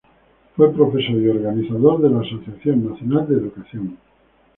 Fue profesor y organizador de la Asociación Nacional de Educación.